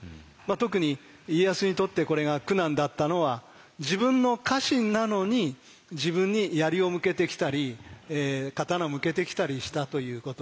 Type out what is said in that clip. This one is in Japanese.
特に家康にとってこれが苦難だったのは自分の家臣なのに自分に槍を向けてきたり刀向けてきたりしたということで。